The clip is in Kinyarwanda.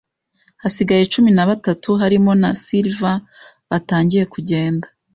hasigaye cumi na batatu, harimo na silver, batangiye kugenda.